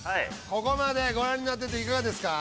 ここまでご覧になってていかがですか？